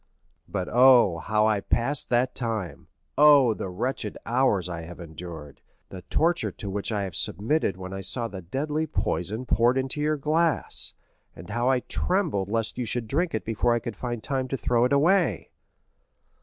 "But, oh, how I passed that time! Oh, the wretched hours I have endured—the torture to which I have submitted when I saw the deadly poison poured into your glass, and how I trembled lest you should drink it before I could find time to throw it away!"